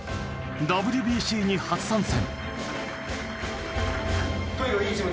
ＷＢＣに初参戦。